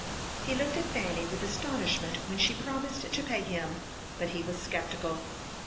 He looked at Fanny with astonishment when she promised to pay him, but he was sceptical.